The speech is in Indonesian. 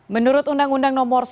menurut undang undang no sebelas